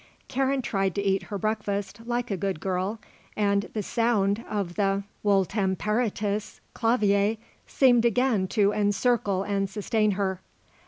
Karen tried to eat her breakfast like a good girl and the sound of the Wohltemperirtes Clavier seemed again to encircle and sustain her.